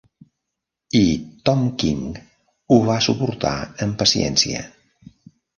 I Tom King ho va suportar amb paciència.